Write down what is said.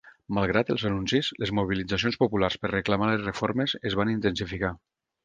Malgrat els anuncis, les mobilitzacions populars per reclamar les reformes es van intensificar.